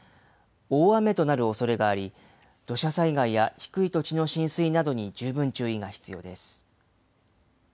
大雨となるおそれがあり、土砂災害や低い土地の浸水などに十分注意が必要です。